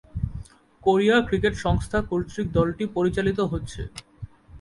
Korea cricket সংস্থা কর্তৃক দলটি পরিচালিত হচ্ছে।